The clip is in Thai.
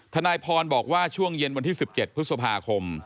ทนายพรบอกว่าช่วงเย็นวันที่๑๗พฤษภาคม